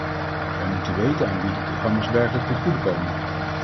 Wij moeten weten aan wie die programma's werkelijk ten goede komen.